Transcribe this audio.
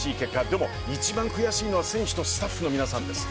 でも、一番悔しいのは選手とスタッフの皆さんです。